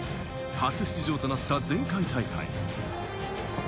初出場となった前回大会。